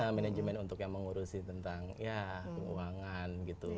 iya manajemen untuk yang mengurusin tentang ya keuangan gitu